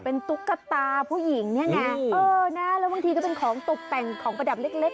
เป็นตุ๊กตาผู้หญิงเนี่ยไงเออนะแล้วบางทีก็เป็นของตกแต่งของประดับเล็กเล็ก